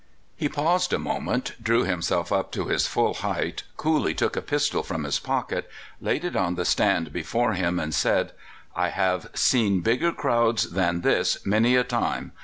He paused a moment, drew himself up to his full height, coolly took a pistol from his pocket, laid it on the stand before him, and said: "• I have seen bigger crowds than this many a time.